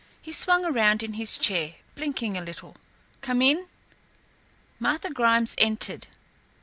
He swung around in his chair, blinking a little. "Come in!" Martha Grimes entered.